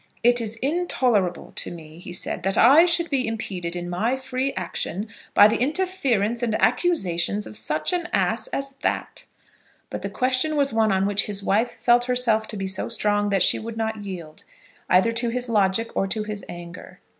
"It is intolerable to me," he said, "that I should be impeded in my free action by the interference and accusations of such an ass as that." But the question was one on which his wife felt herself to be so strong that she would not yield, either to his logic or to his anger.